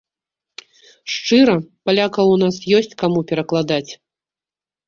Шчыра, палякаў у нас ёсць каму перакладаць.